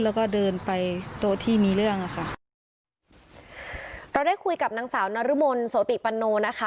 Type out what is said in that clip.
แล้วก็เดินไปโต๊ะที่มีเรื่องอ่ะค่ะเราได้คุยกับนางสาวนรมนโสติปันโนนะคะ